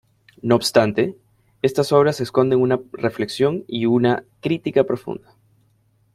No obstante, estas obras esconden una reflexión y una crítica profunda.